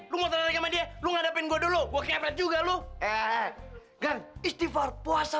lu mau terangkan dia lu ngadepin gua dulu gua kefret juga lu eh gan istighfar puasa